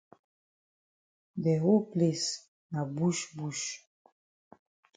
De whole place na bush bush.